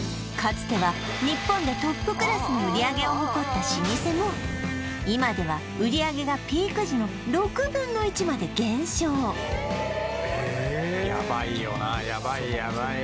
つては日本でトップクラスの売上を誇った老舗も今では売上がピーク時の６分の１まで減少ヤバいヤバいよ